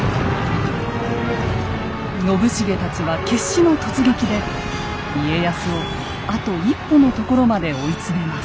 信繁たちは決死の突撃で家康をあと一歩のところまで追い詰めます。